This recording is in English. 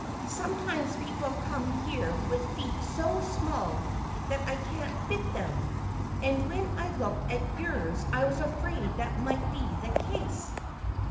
"Sometimes people come here with feet so small that I can't fit them. And when I looked at yours I was afraid that might be the case."